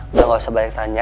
udah gak usah banyak tanya